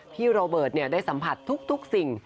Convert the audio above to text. พี่โรเบิร์ตได้สัมผัสทุกสิ่ง